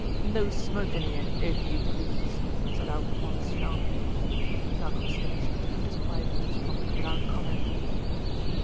"No smokin' here, if you please," said Alf Pond sharply. Malcolm Sage returned his pipe to his pocket without comment.